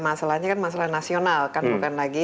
masalahnya kan masalah nasional kan bukan lagi